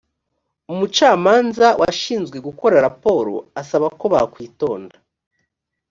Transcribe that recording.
umucamanza washinzwe gukora raporo asaba ko bakwitonda